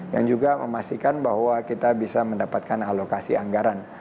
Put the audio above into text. yang juga memastikan bahwa kita bisa mendapatkan alokasi anggaran